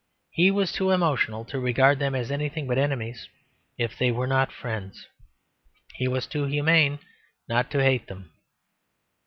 He was too emotional to regard them as anything but enemies, if they were not friends. He was too humane not to hate them.